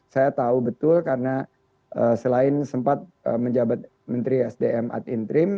saya tahu betul karena selain sempat menjabat menteri sdm ad intrim